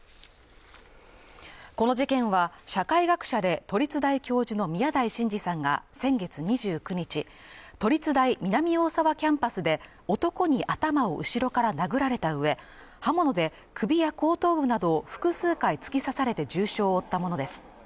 この事件は社会学者で都立大教授の宮台真司さんが先月２９日都立大南大沢キャンパスで男に頭を後ろから殴られたうえ刃物で首や後頭部などを複数回突き刺されて重傷を負ったものです